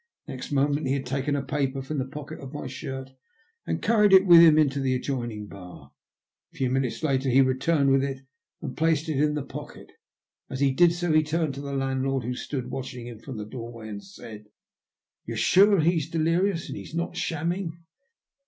Next moment he had taken a paper from the pocket of my shirt, and carried it with him into the adjoining bar. A few minutes later he returned with it and replaced it in the pocket. As he did so he turned to the landlord, who stood watching him from the doorway, and said — "You're sure he's delirious, that he's not shamming